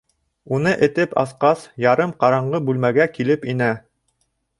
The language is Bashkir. Уны этеп асҡас, ярым ҡараңғы бүлмәгә килеп инә.